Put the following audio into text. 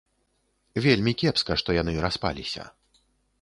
Вельмі кепска, што яны распаліся.